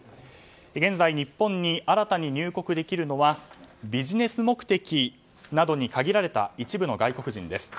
現在、日本に新たに入国できるのはビジネス目的などに限られた一部の外国人です。